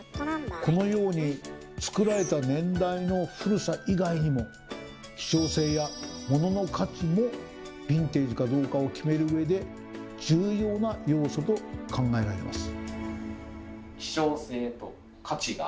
このように作られた年代の古さ以外にも希少性やモノの価値もヴィンテージかどうかを決める上で重要な要素と考えられます。